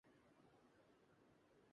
تنوشری دتہ نے میرا ریپ کیا راکھی ساونت